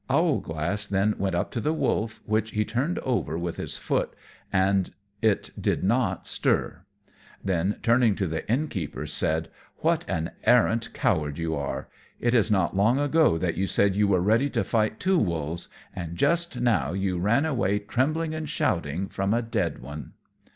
Owlglass then went up to the wolf, which he turned over with his foot, and it did not stir; then turning to the Innkeeper, said, "What an arrant coward you are! It is not long ago that you said you were ready to fight two wolves, and just now you ran away, trembling and shouting, from a dead one."